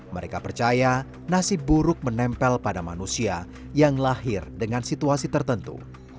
mereka percaya nasib buruk menempel pada manusia yang lahir dengan situasi tertentu